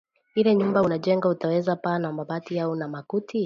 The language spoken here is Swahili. Ile nyumba unajenga, utawezeka paa na mabati au na makuti?